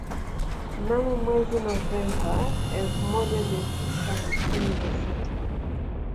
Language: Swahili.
Mnamo mwezi Novemba elfu moja mia tisa hamsini na sita